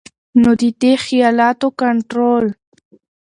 نو د دې خيالاتو کنټرول